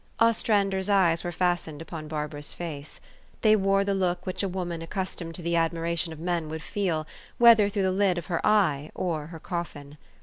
Ostrander's eyes were fastened upon Barbara's face. They wore the look which a woman accus tomed to the admiration of men would feel, whether through the lid of her eye or her coffin.